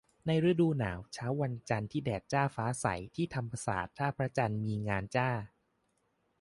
ในฤดูหนาว เช้าวันจันทร์ที่แดดจ้าฟ้าใส ที่ธรรมศาสตร์ ท่าพระจันทร์มีงานจ้า